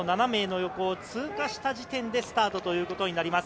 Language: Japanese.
先頭誘導選手がこの７名の横を通過した時点でスタートということになります。